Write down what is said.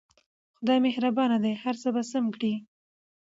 خدای مهربان دی هر څه به سم کړي